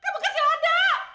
kamu kasih lada